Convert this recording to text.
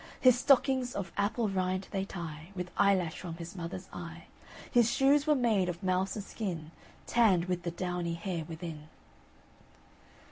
His stockings, of apple rind, they tie With eyelash from his mother's eye His shoes were made of mouse's skin, Tann'd with the downy hair within."